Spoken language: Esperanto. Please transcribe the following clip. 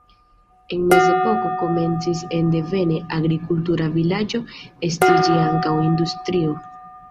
En mezepoko komencis en devene agrikultura vilaĝo estiĝi ankaŭ industrio.